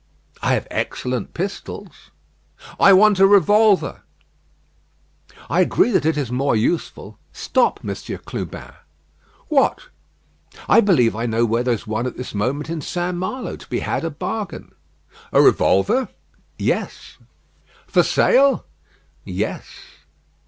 "I have excellent pistols." "I want a revolver." "I agree that it is more useful. Stop, Monsieur Clubin!" "What?" "I believe I know where there is one at this moment in St. Malo; to be had a bargain." "A revolver?" "Yes." "For sale?" "Yes."